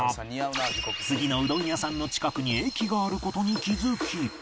次のうどん屋さんの近くに駅がある事に気づき